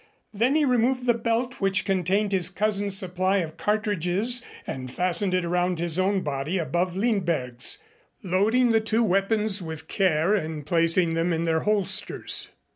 Then he removed the belt which contained his cousin's supply of cartridges and fastened it around his own body above Lindberg's, loading the two weapons with care and placing them in their holsters.